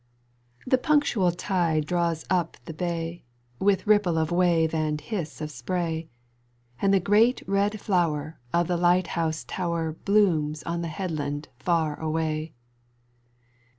The punctual tide draws up the bay, With ripple of wave and hiss of spray, And the great red flower of the light house tower Blooms on the headland far away.